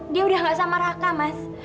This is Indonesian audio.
dia udah gak sama raka mas